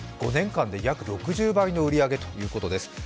５年間で約６０倍の売り上げということです。